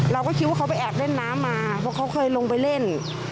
เราคิดว่าเขาอาจไปอาบเท่ียดน้ำมาเคยลงไปเล่น